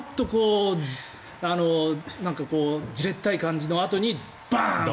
じれったい感じのあとにバーンと。